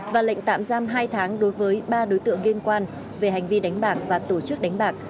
và lệnh tạm giam hai tháng đối với ba đối tượng liên quan về hành vi đánh bạc và tổ chức đánh bạc